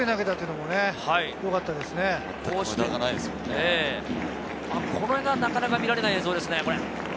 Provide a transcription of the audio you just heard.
これがなかなか見られない映像ですね。